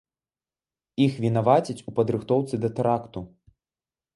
Іх вінавацяць у падрыхтоўцы да тэракту.